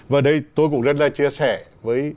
và đây tôi cũng rất là chia sẻ với